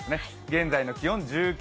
現在の気温は１９．７度。